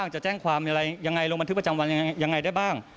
แล้วเราจะแจ้งความยังไงลงบันทึกประจำวันยังไงได้บ้าง